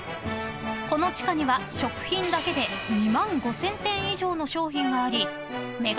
［この地下には食品だけで２万５，０００点以上の商品がありＭＥＧＡ